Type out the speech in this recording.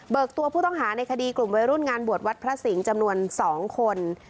ตัวผู้ต้องหาในคดีกลุ่มวัยรุ่นงานบวชวัดพระสิงห์จำนวน๒คน